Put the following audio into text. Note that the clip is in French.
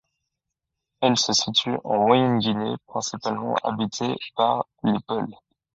Elle se situe en Moyenne Guinée, principalement habitée par les peuls.